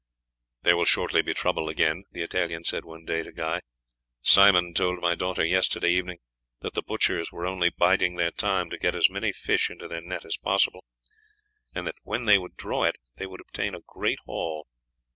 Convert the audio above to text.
"There will shortly be trouble again," the Italian said one day to Guy. "Simon told my daughter yesterday evening that the butchers were only biding their time to get as many fish into their net as possible, and that when they would draw it they would obtain a great haul.